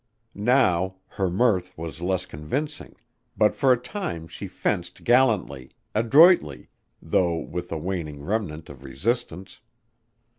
Now, her mirth was less convincing, but for a time she fenced gallantly, adroitly, though with a waning remnant of resistance.